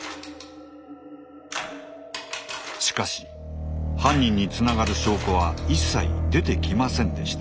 しかし犯人につながる証拠は一切出てきませんでした。